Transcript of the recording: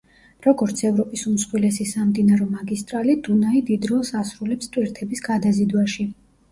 როგორც ევროპის უმსხვილესი სამდინარო მაგისტრალი, დუნაი დიდ როლს ასრულებს ტვირთების გადაზიდვაში.